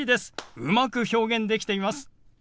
うまく表現できています。